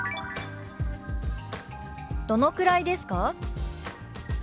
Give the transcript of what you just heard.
「どのくらいですか？」。